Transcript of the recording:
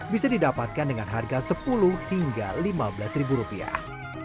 bisa didapatkan dengan harga sepuluh hingga lima belas ribu rupiah